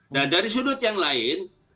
nah dari sudut yang lain